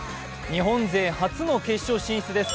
日本勢初の決勝進出です。